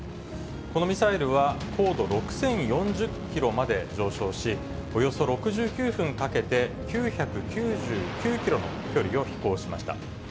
このミサイルは、高度６０４０キロまで上昇し、およそ６９分かけて、９９９キロの距離を飛行しました。